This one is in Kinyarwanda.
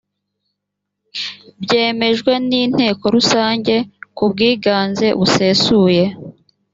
byemejwe n inteko rusange ku bwiganze busesuye